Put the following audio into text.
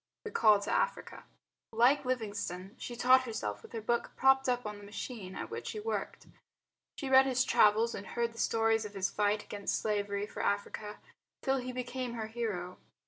The Call to Africa Like Livingstone, she taught herself with her book propped up on the machine at which she worked. She read his travels and heard the stories of his fight against slavery for Africa, till he became her hero.